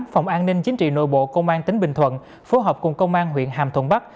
phòng an ninh chính trị nội bộ công an tỉnh bình thuận phối hợp cùng công an huyện hàm thuận bắc